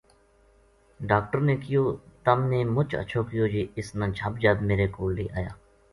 ڈاکٹر نے کہیو:”تم نے مچ ہچھو کیو جے اس نا جھب جھب میرے کول لے آیا